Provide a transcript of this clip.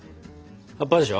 葉っぱでしょ？